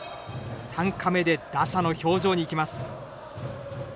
３カメで打者の表情にいきます。